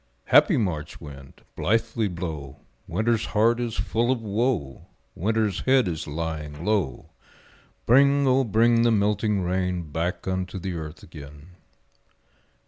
Happy March wind, blithely blow, Winter's heart is full of woe, Winter's head is lying low; Bring, O bring the melting rain Back unto the earth again.